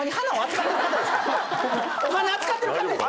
お花扱ってる方ですか？